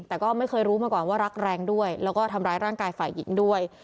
แต่ก็ไม่เคยรู้มาก่อนว่ารักแรงด้วยแล้วก็ทำร้ายร่างกายฝ่ายหญิงด้วย